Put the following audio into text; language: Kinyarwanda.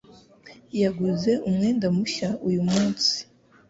Yaguze umwenda mushya uyu munsi